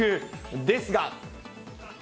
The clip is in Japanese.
ですが。